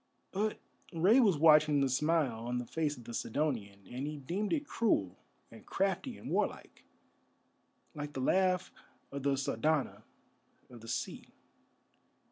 But Rei was watching the smile on the face of the Sidonian, and he deemed it cruel and crafty and warlike, like the laugh of the Sardana of the sea.